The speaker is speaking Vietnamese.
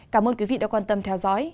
cảm ơn quý vị đã quan tâm theo dõi